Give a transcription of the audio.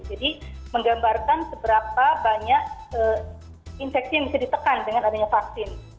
jadi menggambarkan seberapa banyak infeksi yang bisa ditekan dengan vaksin